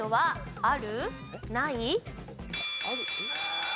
ある。